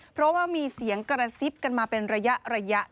เพราะว่ามีเสียงกระซิบกันมาเป็นระยะ